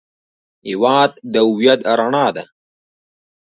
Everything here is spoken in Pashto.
هېواد د هویت رڼا ده.